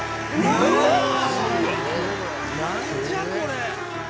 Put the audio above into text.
何じゃこれ。